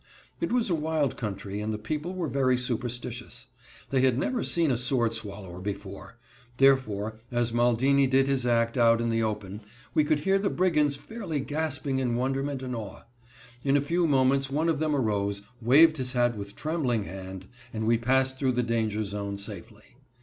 It was a wild country, and the people were very superstitious. They had never seen a sword swallower before. Therefore, as Maldini did his act out in the open we could hear the brigands fairly gasping in wonderment and awe. In a few moments one of them arose, waved his hat with trembling hand, and we passed through the danger zone safely.